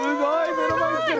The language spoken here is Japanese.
目の前に来てる。